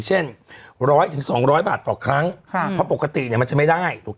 เช่น๑๐๐๒๐๐บาทต่อครั้งเพราะปกติเนี่ยมันจะไม่ได้ถูก